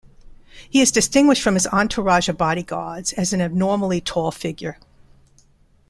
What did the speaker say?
He is distinguished from his entourage of bodyguards as an abnormally tall figure.